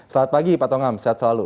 selamat pagi pak tongam sehat selalu